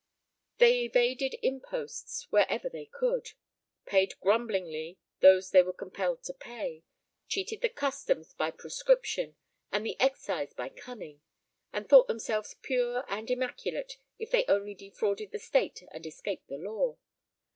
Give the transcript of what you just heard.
They evaded imposts wherever they could; paid grumblingly those they were compelled to pay; cheated the customs by prescription, and the excise by cunning; and thought themselves pure and immaculate if they only defrauded the state and escaped the law.